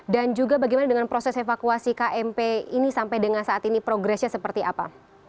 dan juga bagaimana dengan proses evakuasi kmp ini sampai dengan saat ini progresnya seperti apa